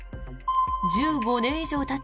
１５年以上たった